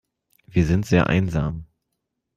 Wir sind sehr einsam.